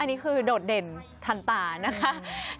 อันนี้คือโดดเด่นทันตานะคะ